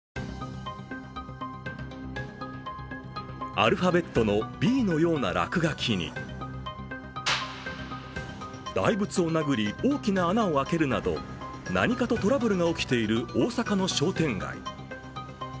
アルファベットのＢのような落書きに大仏を殴り、大きな穴を開けるなど何かとトラブルが起きている大阪の商店街。